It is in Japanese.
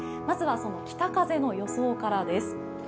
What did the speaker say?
まずは北風の予想からです。